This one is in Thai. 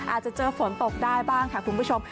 อาจจะเจอฝนตกได้บ้างค่ะคุณผู้ชม